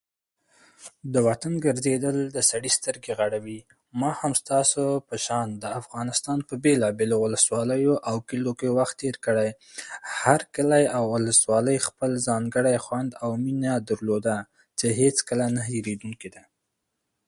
هڅه وکړه چې د نورو په غياب کې د هغوی بدګويي ونکړې